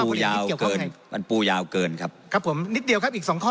ยาวเกินมันปูยาวเกินครับครับผมนิดเดียวครับอีกสองข้อ